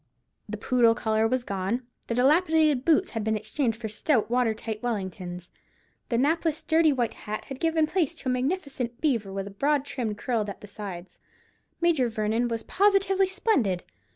The poodle collar was gone: the dilapidated boots had been exchanged for stout water tight Wellingtons: the napless dirty white hat had given place to a magnificent beaver, with a broad trim curled at the sides. Major Vernon was positively splendid.